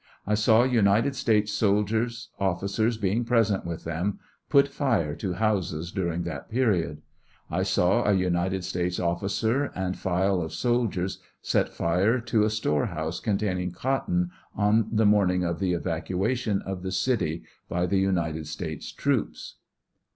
I saw United States soldiers, officers being present with them, put fire to houses during that period. I saw a United States officer and file of soldiers set fire to a storehouse containing cotton on the morning of the evacuation of the city by the United States troops.